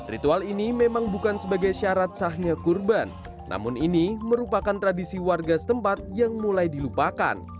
ritual ini memang bukan sebagai syarat sahnya kurban namun ini merupakan tradisi warga setempat yang mulai dilupakan